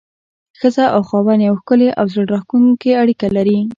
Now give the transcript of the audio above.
ښځه او خاوند يوه ښکلي او زړه راښکونکي اړيکه لري.